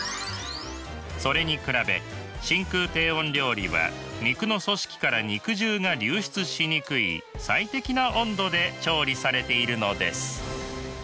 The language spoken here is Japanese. それに比べ真空低温料理は肉の組織から肉汁が流出しにくい最適な温度で調理されているのです。